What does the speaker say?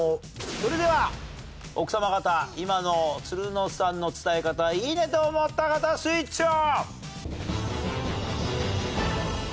それでは奥さま方今のつるのさんの伝え方がいいねと思った方スイッチオン！